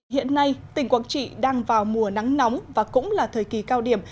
hiện nay tỉnh quảng trị đang vào mùa nắng nóng và cũng là thời kỳ cao điểm